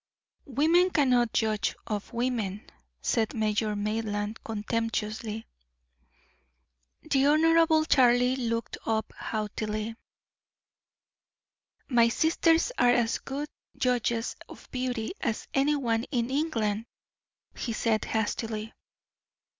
"Women cannot judge of women," said Major Maitland, contemptuously. The Honorable Charlie looked up haughtily. "My sisters are as good judges of beauty as any one in England," he said, hastily.